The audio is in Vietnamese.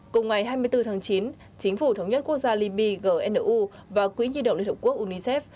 cùng ngày hai mươi bốn tháng chín chính phủ thống nhất quốc gia libya gnu và quỹ nhi động liên hợp quốc unicef